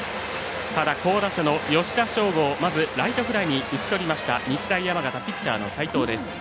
好打者の吉田匠吾をライトフライに打ち取りました、日大山形ピッチャーの齋藤です。